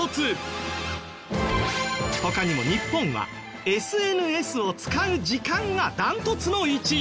他にも日本はＳＮＳを使う時間がダントツの１位。